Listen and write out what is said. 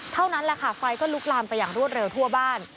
เท่านั้นแหละค่ะไฟก็ลุกลามไปอย่างรวดเร็วทั่วบ้าน